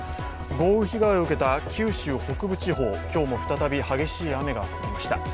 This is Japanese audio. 豪雨被害を受けた九州北部地方、今日も再び激しい雨が降りました。